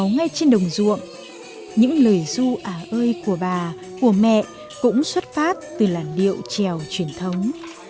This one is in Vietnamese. ngay trên đồng ruộng những lời du à ơi của bà của mẹ cũng xuất phát từ làn điệu trèo truyền thống